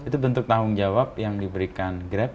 itu bentuk tanggung jawab yang diberikan grab